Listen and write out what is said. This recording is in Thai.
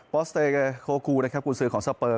ปอสเตเกอร์โคกูคุณซื้อของสเปอร์